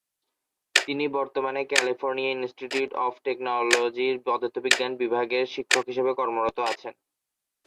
তিনি বর্তমানে California Institute of টেকনোলজির পদার্থবিজ্ঞান বিভাগের শিক্ষক হিসেবে কর্মরত আছেন।